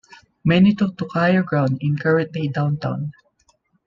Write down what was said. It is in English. Many took to higher ground in current-day Downtown.